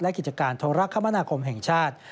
และกิจการโทรคมนาคมแห่งชาติ